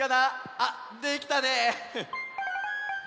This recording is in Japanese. あっできたね！